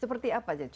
seperti apa contohnya